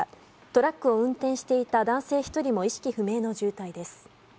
トラックを運転していた男性１人も意識不明の重体です。